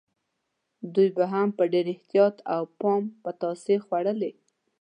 دوی به هم په ډېر احتیاط او پام پتاسې خوړلې.